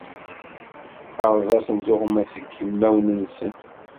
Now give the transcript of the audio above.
Erẓ-asen tuɣmas deg yimawen-nsen!